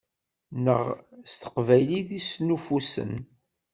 Neɣ s teqbaylit i snuffusen?